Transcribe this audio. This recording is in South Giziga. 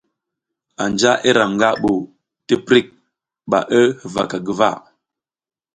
Anja iram nga bu tiprik ba ngi huva guva.